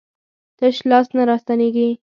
تش لاس نه راستنېږي.